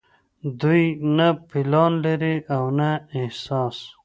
دوي نۀ پلان لري او نه احساس